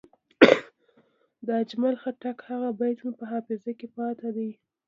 د اجمل خټک هغه بیت مې په حافظه کې پاتې دی.